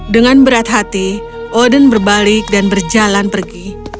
dengan berat hati oden berbalik dan berjalan pergi